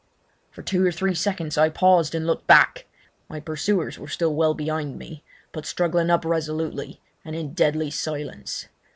For two or three seconds I paused and looked back. My pursuers were still well behind me, but struggling up resolutely, and in deadly silence.